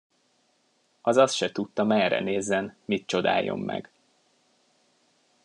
Az azt se tudta, merre nézzen, mit csodáljon meg.